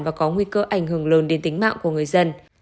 và có nguy cơ ảnh hưởng lớn đến tính mạng của người dân